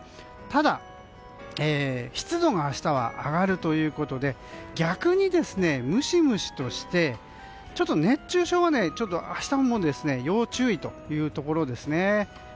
ただ、湿度が明日は上がるということで逆にムシムシとして熱中症に明日も要注意というところです。